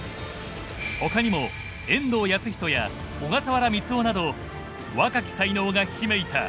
他にも遠藤保仁や小笠原満男など若き才能がひしめいた黄金世代。